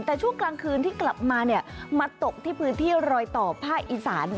แต่ช่วงกลางคืนที่กลับมามาตกที่พื้นที่รอยต่อภาคอีสาน